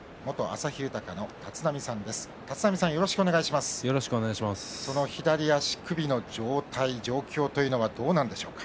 その左足首の状態、状況というのはどうなんでしょうか？